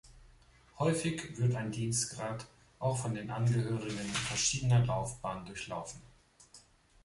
Häufig wird ein Dienstgrad auch von den Angehörigen verschiedener Laufbahnen durchlaufen.